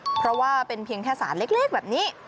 เพราะว่าเป็นเพียงแค่สารเล็กแบบนี้